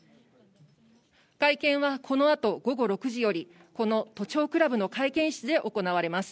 会見はこのあと午後６時より、この都庁クラブの会見室で行われます。